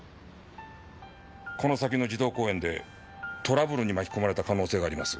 この先の児童公園でトラブルに巻き込まれた可能性があります。